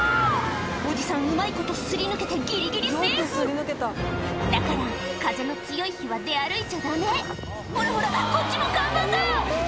おじさんうまいこと擦り抜けてギリギリセーフだから風の強い日は出歩いちゃダメほらほらこっちも看板が！